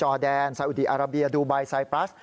แดนซาอุดีอาราเบียดูไบไซปรัส